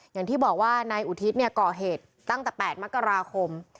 อย่างที่บอกว่านายอุทิศก่อเหตุตั้งแต่๘มกราคม